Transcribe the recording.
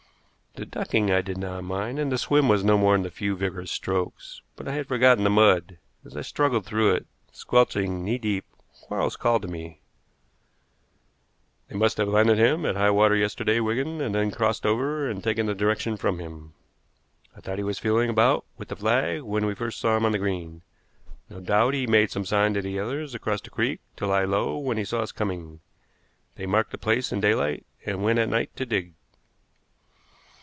The ducking I did not mind, and the swim was no more than a few vigorous strokes, but I had forgotten the mud. As I struggled through it, squelching, knee deep, Quarles called to me: "They must have landed him at high water yesterday, Wigan, and then crossed over and taken the direction from him. I thought he was feeling about with the flag when we first saw him on the green. No doubt he made some sign to the others across the creek to lie low when he saw us coming. They marked the place in daylight and went at night to dig."